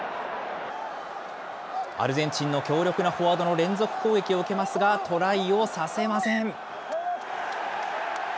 アルゼンチンの強力なフォワードの連続攻撃を受けますが、トライをさせません。